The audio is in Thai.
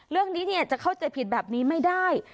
เรื่องนี้จะเข้าใจผิดแบบนี้ไม่ได้